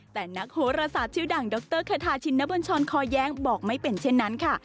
แต่นักโหรศาสตร์ชื่อดังดรคาทาชินนบัญชรคอแย้งบอกไม่เป็นเช่นนั้นค่ะ